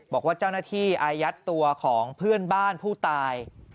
บอกว่าเจ้าหน้าที่อายัดตัวของเพื่อนบ้านผู้ตาย